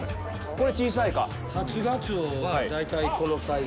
これ、小さいか？